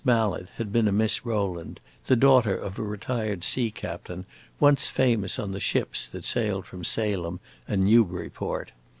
Mallet had been a Miss Rowland, the daughter of a retired sea captain, once famous on the ships that sailed from Salem and Newburyport.